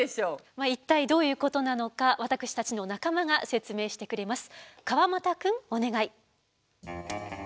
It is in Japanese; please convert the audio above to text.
まあ一体どういうことなのか私たちの仲間が説明してくれます。